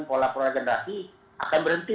pola pola generasi akan berhenti